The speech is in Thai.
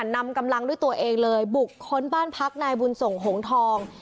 นำกำลังด้วยตัวเองเลยบุกค้นบ้านพักนายบุญส่งหงทอง